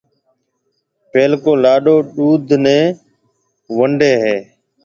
پيلڪو لاڏو ڏُوڌ نيَ وونڏَي ھيََََ